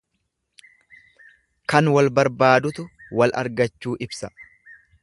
Kan wal barbaadutu wal argachuu ibsa.